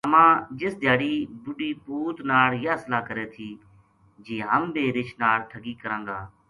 ماما ! جس دھیاڑی بڈھی پوت ناڑ یاہ صلاح کرے تھی جی ہم رچھ ناڑ ٹھگی کراں گا